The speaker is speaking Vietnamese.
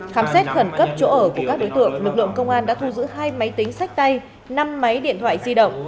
khám xét khẩn cấp chỗ ở của các đối tượng lực lượng công an đã thu giữ hai máy tính sách tay năm máy điện thoại di động